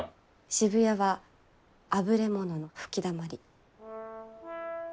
渋谷はあぶれ者の吹きだまり。